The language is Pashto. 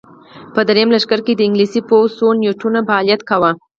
په درېیم لښکر کې د انګلیسي پوځ څو یونیټونو فعالیت کاوه.